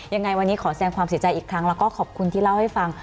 ยังไงวันนี้ขอแสดงความเสียใจอีกครั้งแล้วก็ขอบคุณที่เล่าให้ฟัง